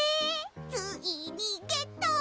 ついにゲット！